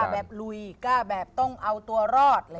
แบบลุยกล้าแบบต้องเอาตัวรอด